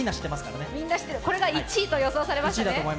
これが１位と予想されましたね。